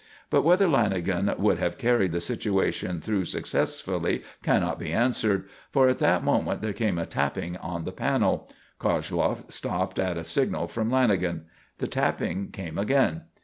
But whether Lanagan would have carried the situation through successfully cannot be answered. For at that moment there came a tapping on the panel. Koshloff stopped at a signal from Lanagan. The tapping came again.